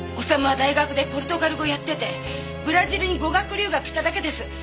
修は大学でポルトガル語やっててブラジルに語学留学しただけです。